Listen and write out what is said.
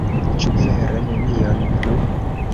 Ĉu vere nenion plu?